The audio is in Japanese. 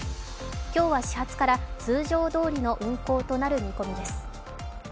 今日は始発から通常どおりの運行となる見込みです。